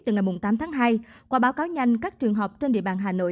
từ ngày tám tháng hai qua báo cáo nhanh các trường học trên địa bàn hà nội